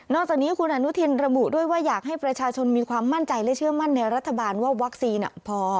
จากนี้คุณอนุทินระบุด้วยว่าอยากให้ประชาชนมีความมั่นใจและเชื่อมั่นในรัฐบาลว่าวัคซีนพอ